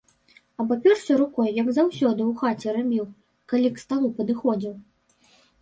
Абапёрся рукой, як заўсёды ў хаце рабіў, калі к сталу падыходзіў.